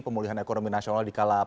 pemulihan ekonomi nasional di kala